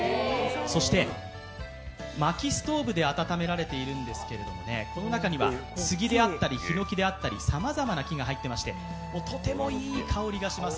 そしてまきストーブで暖められているんですがこの中には杉であったり、ひのきであったり、さまざまな木が入っていましてとてもいい香りがします。